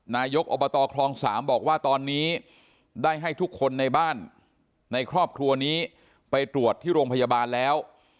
นายกอบตคลอง๓บอกว่าตอนนี้ได้ให้ทุกคนในบ้านในครอบครัวนี้ไปตรวจที่โรงพยาบาลแล้ว